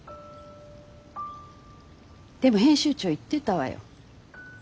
でも編集長言ってたわよ。